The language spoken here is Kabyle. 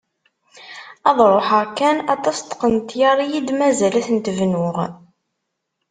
Ad ruḥeɣ kan, aṭas n tqenṭyar i yi-d-mazal ad tent-bnuɣ!